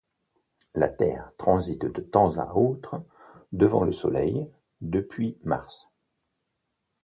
La Terre transite de temps à autre devant le Soleil, depuis Mars.